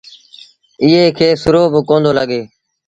ايئي کي سرو با ڪوندو لڳي۔